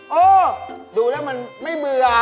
อ๋อเดี๋ยวดูแล้วมันไม่เบือ